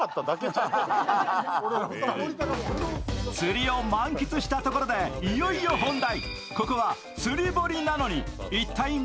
釣りを満喫したところでいよいよ本題。